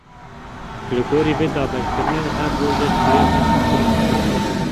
Li gorî vê dabeşkirinê, her rojek bûye bîst û çar saet.